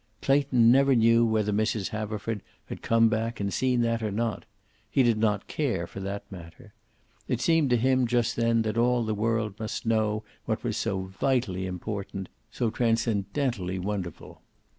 Clayton never knew whether Mrs. Haverford had come back and seen that or not. He did not care, for that matter. It seemed to him just then that all the world must know what was so vitally important, so transcendently wonderful.